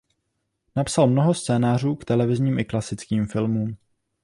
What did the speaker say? Napsal mnoho scénářů k televizním i klasickým filmům.